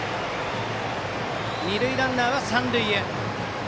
二塁ランナーは三塁へ。